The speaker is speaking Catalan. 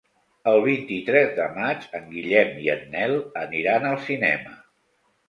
El vint-i-tres de maig en Guillem i en Nel aniran al cinema.